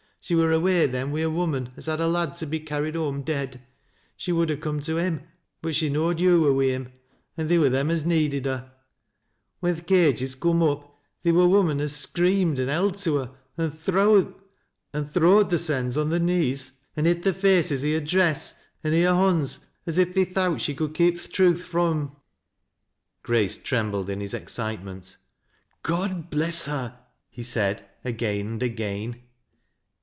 She wur away then wi' a woman as had a lad to be carried home dead. She would ha' come t< him, but she knowed yo' were wi' him, an' theer wur theiu as needed her. When th' cages coom up theer wai women as screamed an' held to her, an' thro wed theirsoni on their knees an' hid their faces i' her dress, an' i' hei bonds, as if they thowt she could keep th' truth fro' 'em." Grace trembled in his excitement. " God bless her 1 God bless her I " he said, again and again.